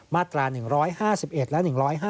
มาตรา๑๕๑และ๑๕